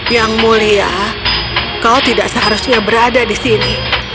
yang mulia kau tidak seharusnya berada di sini